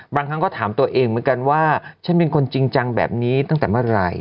บางครั้งก็ถามตัวเองเหมือนกันว่าฉันเป็นคนจริงจังแบบนี้ตั้งแต่เมื่อไหร่